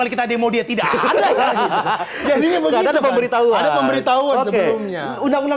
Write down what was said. kita demo dia tidak